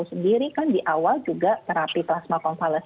who sendiri kan di awal juga terapi plasma konvalesen itu